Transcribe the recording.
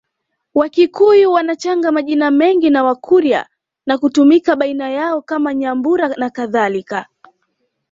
Wakikuyu wanachanga majina mengi na Wakurya na kutumika baina yao kama Nyambura nakadhalika